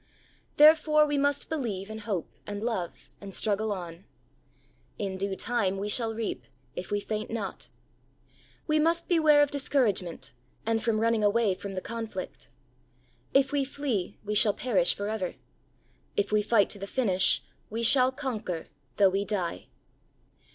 Therefore we must believe and hope and love and struggle on. " In due time we shall reap, if we faint not." We must beware of discouragement and from running away from the conflict. If we flee we shall perish for ever. If we fight to the finish, " we shall conquer though we die."